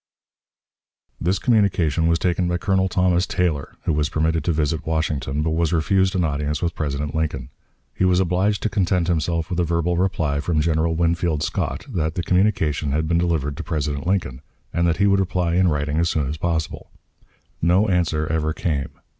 This communication was taken by Colonel Thomas Taylor, who was permitted to visit Washington, but was refused an audience with President Lincoln. He was obliged to content himself with a verbal reply from General Winfield Scott that the communication had been delivered to President Lincoln, and that he would reply in writing as soon as possible. No answer ever came.